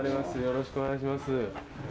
よろしくお願いします。